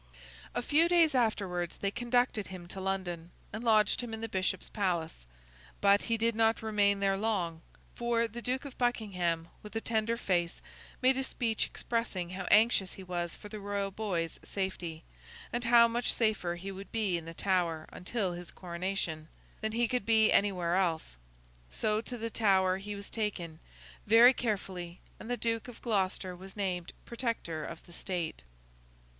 A few days afterwards they conducted him to London, and lodged him in the Bishop's Palace. But, he did not remain there long; for, the Duke of Buckingham with a tender face made a speech expressing how anxious he was for the Royal boy's safety, and how much safer he would be in the Tower until his coronation, than he could be anywhere else. So, to the Tower he was taken, very carefully, and the Duke of Gloucester was named Protector of the State.